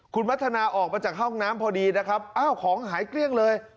คุณพัฒนาออกมาจากห้องน้ำพอดีนะครับอ้าวของหายเกลี้ยงเลย